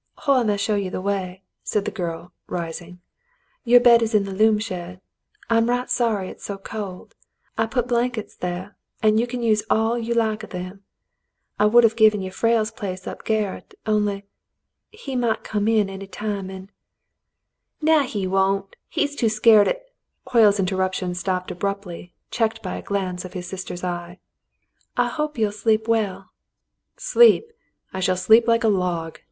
"Hoyle may show you the way," said the girl, rising. " Your bed is in the loom shed. I'm right sorry it's so cold. I put blankets there, and you can use all you like of them. I would have given you Frale's place up garret — only — he might come in any time, and —" "Naw, he won't. He's too skeered 'at —" Hoyle's interruption stopped abruptly, checked by a glance of his sister's eye. "I hope you'll sleep well —"" Sleep .^ I shall sleep like a log.